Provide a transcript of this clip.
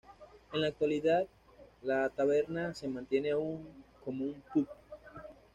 En la actualidad, la taberna se mantiene aún como un pub.